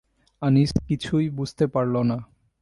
আনিস কিছুই বুঝতে পারল না।